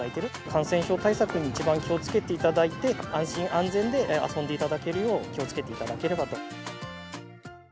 感染症対策に一番気をつけていただいて、安心安全で遊んでいただけるよう、気をつけていただければと。